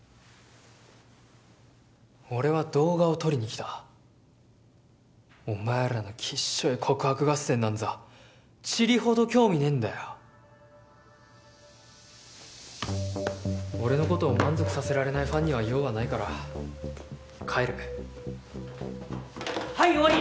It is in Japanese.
俺は動画を撮りに来たお前らのきっしょい告白合戦なんざちりほど興味ねぇんだよ俺のことを満足させられないファンには用はないから帰るはい終わり！